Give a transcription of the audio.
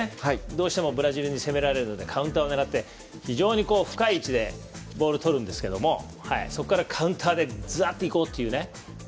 どうしてもブラジルに攻められるのでカウンターを狙い深い位置でボールをとるんですがそこからカウンターでざっといこうというね。